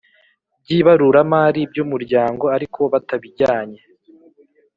By ibaruramari by umuryango ariko batabijyanye